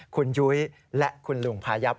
คุณยุ้ยและคุณลุงพายับ